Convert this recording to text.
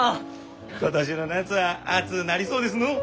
今年の夏は暑うなりそうですのう。